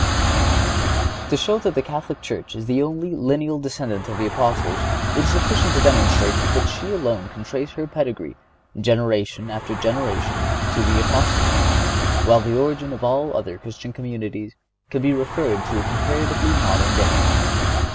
To show that the Catholic Church is the only lineal descendant of the Apostles it is sufficient to demonstrate that she alone can trace her pedigree, generation after generation, to the Apostles, while the origin of all other Christian communities can be referred to a comparatively modern date.